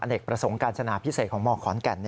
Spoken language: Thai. เนกประสงค์การจนาพิเศษของมขอนแก่น